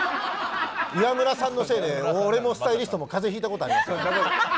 岩村さんのせいで俺もスタイリストも風邪ひいたことがあるの。